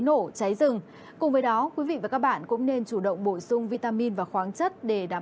nổ cháy rừng cùng với đó quý vị và các bạn cũng nên chủ động bổ sung vitamin và khoáng chất để đảm